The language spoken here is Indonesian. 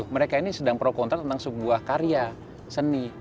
mereka ini sedang pro kontra tentang sebuah karya seni